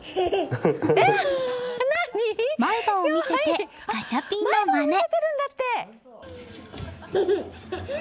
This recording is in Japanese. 前歯を見せてガチャピンのまね。